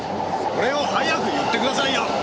それを早く言ってくださいよ！